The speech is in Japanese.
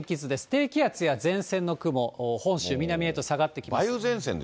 低気圧や前線の雲、本州南へと下がってきます。